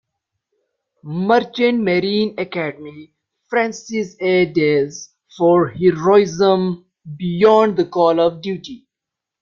Merchant Marine Academy, Francis A. Dales for "Heroism beyond the call of duty".